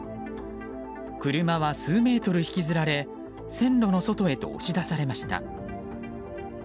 車は数メートル引きずられ線路の外へと押し出されました。